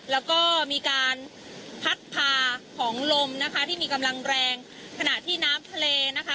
แล้วก็มีการพัดพาของลมนะคะที่มีกำลังแรงขณะที่น้ำทะเลนะคะ